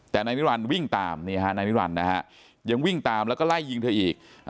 แต่นายนิรันดิวิ่งตามนายนิรันดิ์นะฮะยังวิ่งตามแล้วก็ไล่ยิงเธออีก